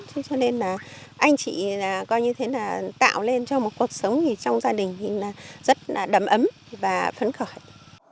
thế cho nên là anh chị coi như thế là tạo lên cho một cuộc sống trong gia đình thì rất là đầm ấm và phấn khởi